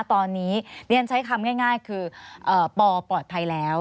ตอนนี้เรียนใช้คำง่ายคือปอปลอดภัยแล้ว